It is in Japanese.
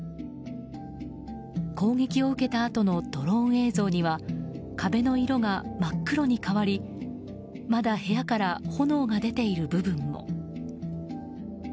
攻撃を受けたあとのドローン映像には壁の色が真っ黒に変わりまだ部屋から炎が出ている部分も。